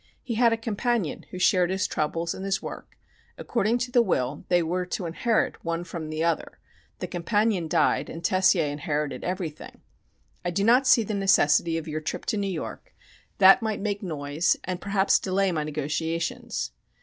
He had a companion who shared his troubles and his work. According to the will they were to inherit one from the other; the companion died, and Tessier inherited everything. I do not see the necessity of your trip to New York; that might make noise and perhaps delay my negotiations."